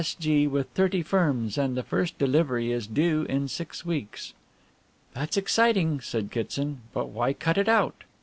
S.G. with thirty firms, and the first delivery is due in six weeks." "That's exciting," said Kitson, "but why cut it out?"